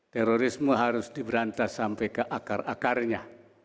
terorisme harus diberantas sampai ke akar akarnya